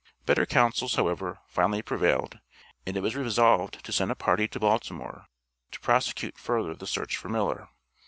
Better counsels, however, finally prevailed and it was resolved to send a party to Baltimore to prosecute further the search for Miller.